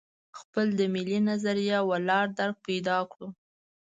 خپل د ملي نظریه ولاړ درک پیدا کړو.